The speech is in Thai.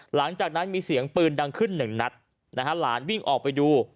หลังจากนั้นมีเสียงปืนดังขึ้นหนึ่งนัดนะฮะหลานวิ่งออกไปดู